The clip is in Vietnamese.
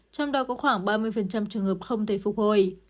trong đó có khoảng ba mươi trường hợp không thể phục hồi